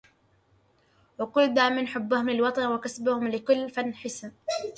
وكل ذا من حبهم للوطنِ وكسبهم لكل فن حسنِ